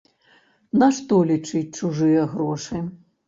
Нашто лічыць чужыя грошы?